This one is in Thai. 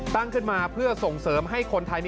ตั้งขึ้นมาเพื่อส่งเสริมให้คนไทย